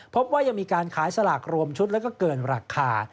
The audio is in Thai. พบว่ายังมีการขายสลากรวมชุดแล้วก็เกินราคา